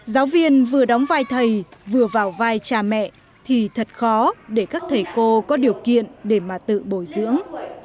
giáo viên vừa đóng vai thầy vừa vào vai cha mẹ thì thật khó để các thầy cô có điều kiện để mà tự bồi dưỡng